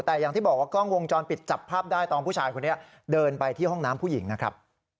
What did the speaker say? แต่อย่างที่บอกว่ากล้องวงจรปิดจับภาพได้ตอนผู้ชายคนนี้เดินไปที่ห้องน้ำผู้หญิงนะครับ